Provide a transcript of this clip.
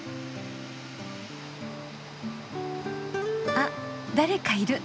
あっ誰かいる。